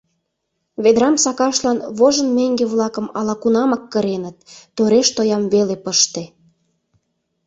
Ведрам сакашлан вожын меҥге-влакым ала-кунамак кыреныт, тореш тоям веле пыште.